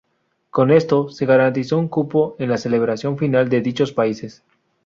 Con esto, se garantizó un cupo en la celebración final de dichos países.